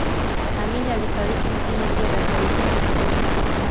amini alifariki mjini jeddah tarehe kumi na sita